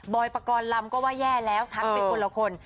ประกอบลำก็ว่าแย่แล้วทักเป็นคนละคน